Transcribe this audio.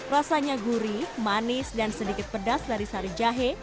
rasanya gurih manis dan sedikit pedas dari sari jahe